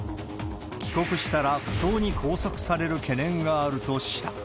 帰国したら不当に拘束される懸念があるとした。